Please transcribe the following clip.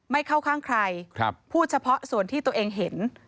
ไม่เข้าข้างใครพูดเฉพาะส่วนที่ตัวเองเห็น